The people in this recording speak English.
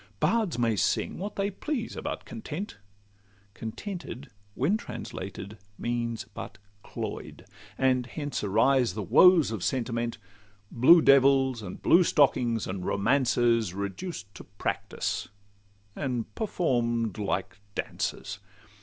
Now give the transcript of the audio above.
Bards may sing what they please about Content; Contented, when translated, means but cloy'd; And hence arise the woes of sentiment, Blue devils, and blue stockings, and romances Reduced to practice, and perform'd like dances.